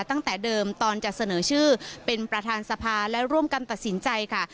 ตั้งแต่เดิมตอนจะเสนอชื่อเป็นประธานสภาและร่วมกันตัดสินใจค่ะ